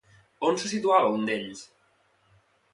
On se situava un d'ells?